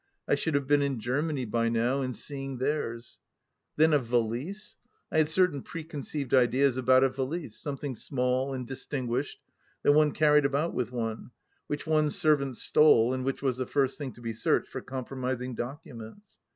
I should have been in Germany by now, and seeing theirs I Then a " valise "1 I had certain preconceived ideas about a valise, something small and distinguished that one carried about with one, which one's servant stole and which was the first thing to be searched for compromising documents.